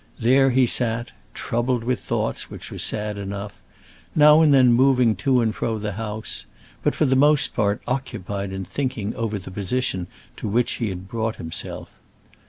There he sat, troubled with thoughts which were sad enough, now and then moving to and fro the house, but for the most part occupied in thinking over the position to which he had brought himself.